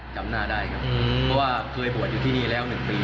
จำหน้าได้ครับเพราะว่าเคยบวชอยู่ที่นี่แล้ว๑ปี